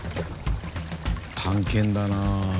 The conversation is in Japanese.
探検だな。